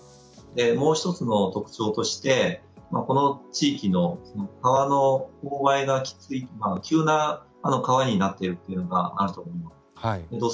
もう１つの特徴としてこの地域の川の勾配がきつい、急な川になっているというのがあると思います。